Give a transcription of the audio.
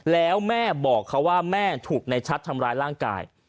แล้วแม่บอกเขาว่าแม่ถูกในชัดทำร้ายร่างกาย